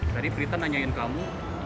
tadi prita nanyain kamu